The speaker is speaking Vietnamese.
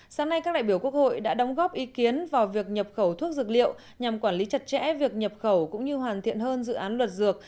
sáng nay các đại biểu quốc hội đã đóng góp ý kiến vào việc nhập khẩu thuốc dược liệu nhằm quản lý chặt chẽ việc nhập khẩu cũng như hoàn thiện hơn dự án luật dược